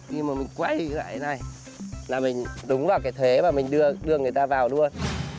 khi mà mình quay lại như thế này là mình đúng vào cái thế mà mình đưa người ta vào luôn